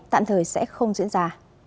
tạm thời sẽ không diễn ra